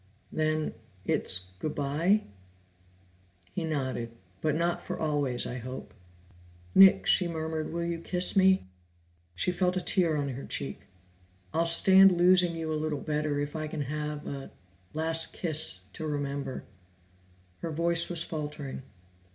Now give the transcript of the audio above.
"Then it's good bye?" He nodded. "But not for always I hope." "Nick," she murmured, "will you kiss me?" She felt a tear on her cheek. "I'll stand losing you a little better if I can have a last kiss to remember." Her voice was faltering.